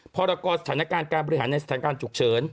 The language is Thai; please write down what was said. พรศการณ์การบริหารในสถานการณ์จุกเชิญ